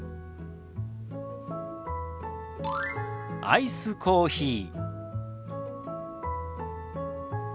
「アイスコーヒー」。